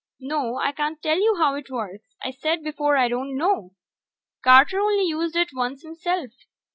No, I can't tell you how it works I said before I don't know. Carter only used it once himself.